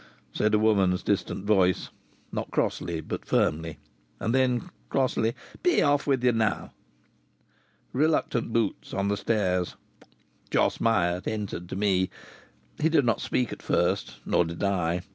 said a woman's distant voice not crossly, but firmly. And then, crossly: "Be off with ye now!" Reluctant boots on the stairs! Jos Myatt entered to me. He did not speak at first; nor did I.